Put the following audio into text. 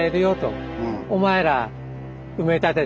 お前ら埋め立てて。